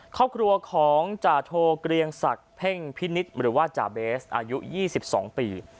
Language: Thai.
ครอบครัวของจาโทเกรียงศักดิ์เพ่งพินิษฐ์หรือว่าจ่าเบสอายุ๒๒ปี